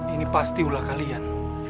ini pasti ulah kalian